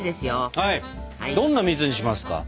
どんな蜜にしますか？